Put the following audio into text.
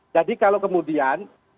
jadi kalau kemudian